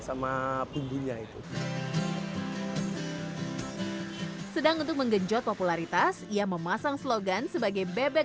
sama bumbunya itu sedang untuk menggenjot popularitas ia memasang slogan sebagai bebek